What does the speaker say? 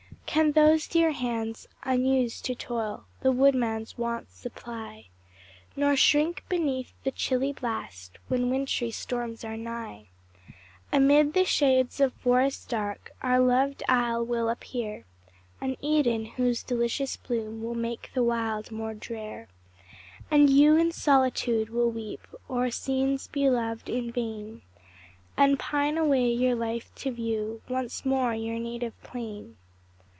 Can those dear hands, unused to toil, The woodman's wants supply, Nor shrink beneath the chilly blast When wintry storms are nigh? Amid the shades of forests dark, Our loved isle will appear An Eden, whose delicious bloom Will make the wild more drear. And you in solitude will weep O'er scenes beloved in vain, And pine away your life to view Once more your native plain.